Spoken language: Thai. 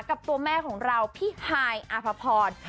กับตัวแม่ของเราพี่ฮายอาภพร